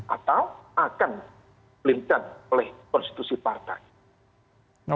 atau akan disiplinkan oleh konstitusi partai